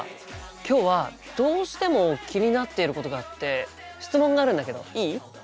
今日はどうしても気になっていることがあって質問があるんだけどいい？